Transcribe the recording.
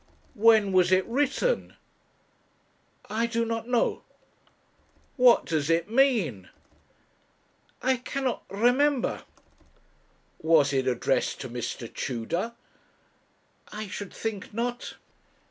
'When was it written?' 'I do not know.' 'What does it mean?' 'I cannot remember.' 'Was it addressed to Mr. Tudor?' 'I should think not.'